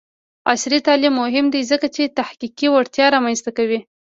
عصري تعلیم مهم دی ځکه چې تحقیقي وړتیا رامنځته کوي.